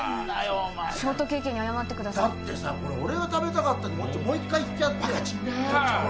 お前ショートケーキに謝ってくださいだって俺が食べたかったもう一回言ってやってよ